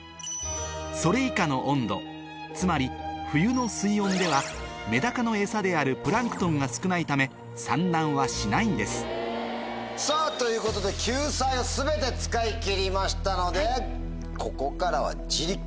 それ以下の温度つまり冬の水温ではメダカのエサであるプランクトンが少ないため産卵はしないんですさぁということで救済は全て使い切りましたので。